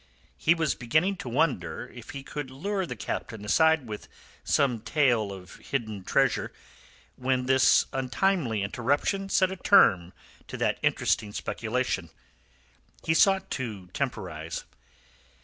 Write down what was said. He was beginning to wonder if he could lure the Captain aside with some tale of hidden treasure, when this untimely interruption set a term to that interesting speculation. He sought to temporize.